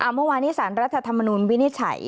เมื่อวานนี้สารรัฐธรรมนุนวินิจฉัย